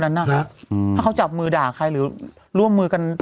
ถ้าเขาจับมือด่าใครหรือร่วมมือกัน